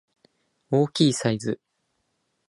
大きいサイズ